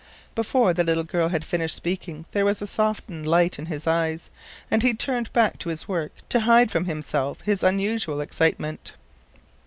Before the little girl had finished speaking there was a softened light in his eyes, and he turned back to his work to hid from himself his unusual excitement.